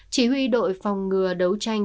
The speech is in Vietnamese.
chỉ huy đội phòng ngừa đấu tranh